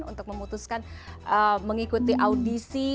untuk memutuskan mengikuti audisi